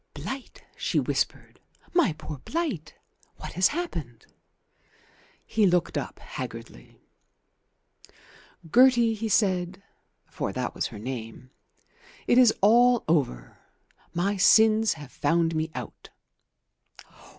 "Blight!" she whispered. "My poor Blight! What has happened?" He looked up haggardly. "Gertie," he said, for that was her name, "it is all over. My sins have found me out."